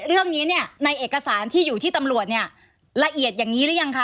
เรื่องนี้เนี่ยในเอกสารที่อยู่ที่ตำรวจเนี่ยละเอียดอย่างนี้หรือยังคะ